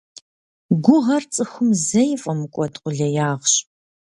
Гугъэр цӀыхум зэи фӀэмыкӀуэд къулеягъэщ.